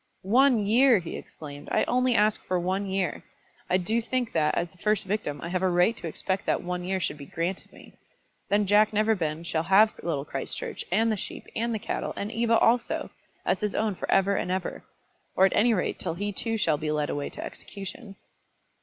"One year!" he exclaimed. "I only ask for one year. I do think that, as the first victim, I have a right to expect that one year should be granted me. Then Jack Neverbend shall have Little Christchurch, and the sheep, and the cattle, and Eva also, as his own for ever and ever, or at any rate till he too shall be led away to execution!"